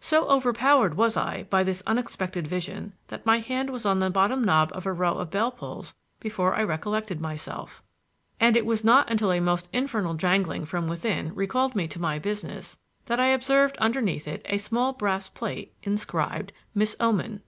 So overpowered was I by this unexpected vision that my hand was on the bottom knob of a row of bell pulls before I recollected myself; and it was not until a most infernal jangling from within recalled me to my business that I observed underneath it a small brass plate inscribed "Miss Oman."